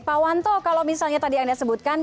pak wanto kalau misalnya tadi anda sebutkan